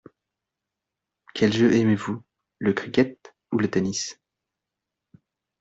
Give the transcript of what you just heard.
Quel jeu aimez-vous, le cricket ou le tennis ?